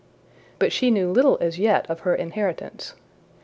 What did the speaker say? But she knew little as yet of her inheritance.